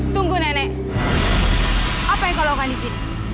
tunggu nenek apa yang kau lakukan di sini